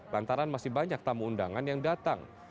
lantaran masih banyak tamu undangan yang datang